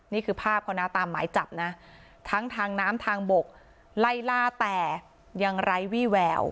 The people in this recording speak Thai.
นี่คือภาพเขานะตามหมายจับนะทั้งทางน้ำทางบกไล่ล่าแต่ยังไร้วี่แวว